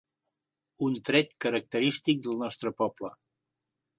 Un tret característic del nostre poble.